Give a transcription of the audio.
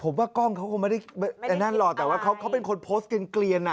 ผมว่ากล้องเขาคงไม่ได้แต่นั่นหรอกแต่ว่าเขาเป็นคนโพสต์เกลียนอ่ะ